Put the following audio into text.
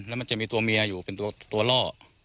แล้วมันจะมีตัวเมียอยู่เป็นตัวล่อ